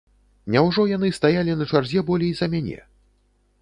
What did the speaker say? Няўжо яны стаялі на чарзе болей за мяне?